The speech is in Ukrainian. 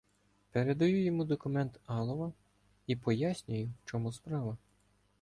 Передаю йому документ Алова і "пояснюю", в чому справа.